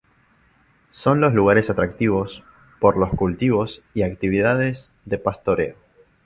Son los lugares atractivos por los cultivos y actividades de pastoreo.